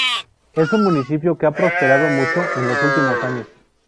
Es un municipio que ha prosperado mucho en los últimos años.